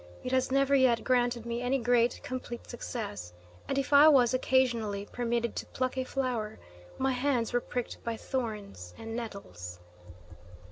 It has never yet granted me any great, complete success, and if I was occasionally permitted to pluck a flower, my hands were pricked by thorns and nettles!"